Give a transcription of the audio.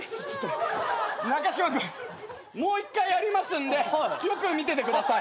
中嶋君もう１回やりますんでよく見ててください。